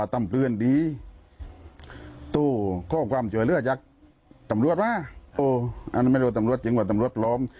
ทำเพื่อนดีโต้ข้อความเจ๋วเลือดจากตำรวจมาโอ้อันนั้นไม่รู้ตำรวจจริงกว่าตำรวจล้อม